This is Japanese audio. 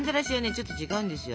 ちょっと違うんですよ。